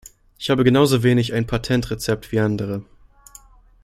Ich habe genauso wenig ein Patentrezept wie andere.